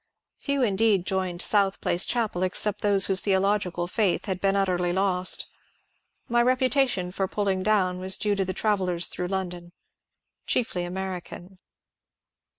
Few indeed joined South Place chapel except those whose theological faith had been utterly lost. My reputation for pulling down was due to the travellers through London, chiefly American.